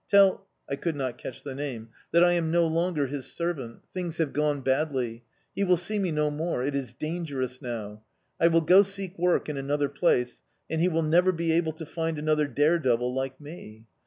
Tell" I could not catch the name "that I am no longer his servant. Things have gone badly. He will see me no more. It is dangerous now. I will go seek work in another place, and he will never be able to find another dare devil like me.